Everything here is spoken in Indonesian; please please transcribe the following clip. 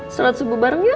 setelah subuh bareng yuk